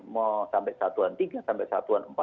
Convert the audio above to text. mau sampai satuan iii sampai satuan iv